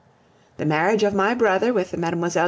The marriage of my brother with Mlle.